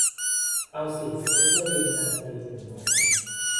เอาสิ ได้เที่ยวเวียนนาฟรีหนึ่งวัน